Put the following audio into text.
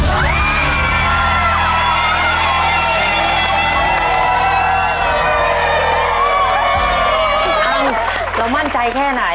อ้าวแล้วมั่นใจแค่ไหน